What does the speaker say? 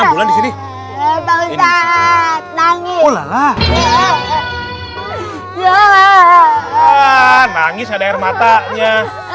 nangis ada air matanya